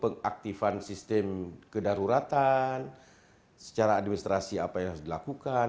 pengaktifan sistem kedaruratan secara administrasi apa yang harus dilakukan